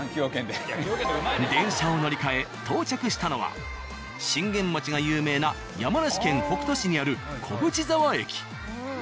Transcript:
電車を乗り換え到着したのは信玄餅が有名な山梨県北杜市にある小淵沢駅。